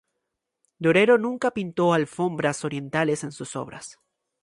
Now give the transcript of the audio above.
Durero nunca pintó alfombras orientales en sus obras.